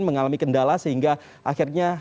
mengalami kendala sehingga akhirnya